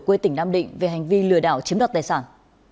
quê tỉnh nam định về hành vi lừa đảo chiếm đoạt tài sản